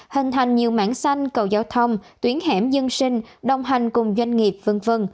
hình thành nhiều mảng xanh cầu giao thông tuyến hẻm dân sinh đồng hành cùng doanh nghiệp v v